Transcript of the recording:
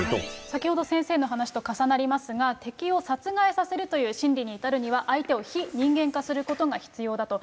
先ほど先生のお話と重なりますが、敵を殺害させるという心理に至るには相手を非人間化することが必要だと。